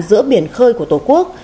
giữa biển khơi của tổ quốc